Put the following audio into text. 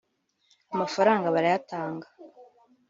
amafaranga barayatanga